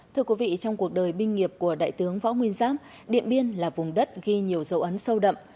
thưa quý vị trong cuộc đời binh nghiệp của đại tướng võ nguyên giáp điện biên là vùng đất ghi nhiều dấu ấn sâu đậm